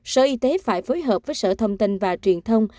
sở y tế phải phối hợp với sở thông tin và truyền thông